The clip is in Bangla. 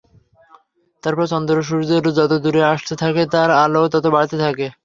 তারপর চন্দ্র সূর্যের যত দূরে আসতে থাকে তার আলোও তত বাড়তে থাকে।